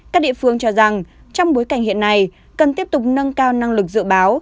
các địa phương cho rằng trong bối cảnh hiện nay cần tiếp tục nâng cao năng lực dự báo